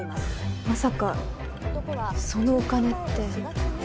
まさかそのお金って。